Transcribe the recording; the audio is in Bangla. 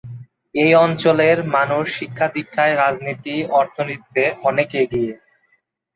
এই অঞ্চলের মানুষ শিক্ষা-দিক্ষায়, রাজনীতি অর্থনীতিতে অনেক এগিয়ে।